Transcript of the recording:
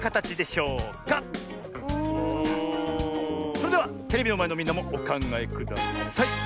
それではテレビのまえのみんなもおかんがえください！